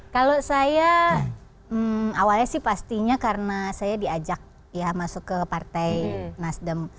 kalau saya awalnya sih pastinya karena saya diajak ya masuk ke partai nasdem